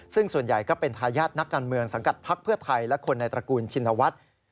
ซึ่งส่วนใหญ่ก็เป็นทายาทนักการเมืองสังกัดพักเพื่อไทยและคนในตระกูลชินวัฒน์